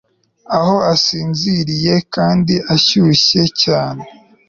aho asinziriye kandi ashyushye cyane